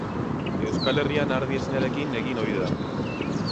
Euskal Herrian ardi esnearekin egin ohi da.